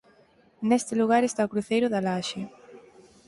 Neste lugar está o cruceiro da Laxe.